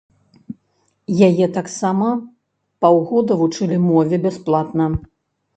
Яе там таксама паўгода вучылі мове бясплатна.